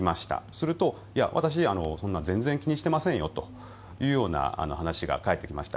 すると、私そんなの全然気にしていませんよという話が返ってきました。